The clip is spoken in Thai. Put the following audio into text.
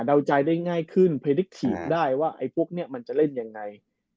ดาวใจได้ง่ายขึ้นพฤกษีได้ว่าไอ้พวกมันจะเล่นยังไง